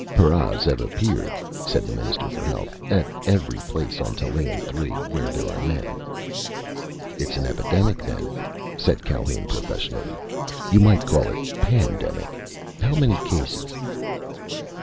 "Paras have appeared," said the Minister for Health, "at every place on Tallien Three where there are men." "It's epidemic, then," said Calhoun professionally. "You might call it pandemic. How many cases?"